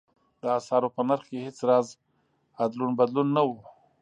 د اسعارو په نرخ کې هېڅ راز ادلون بدلون نه و.